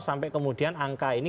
sampai kemudian angka ini